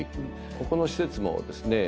ここの施設もですね